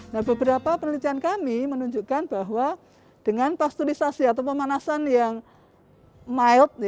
nah beberapa penelitian kami menunjukkan bahwa dengan pasturisasi atau pemanasan yang mild